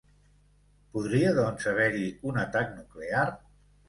Podria, doncs, haver-hi un atac nuclear?